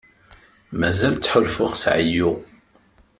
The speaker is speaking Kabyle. Mazal ttḥulfuɣ s ɛeyyu.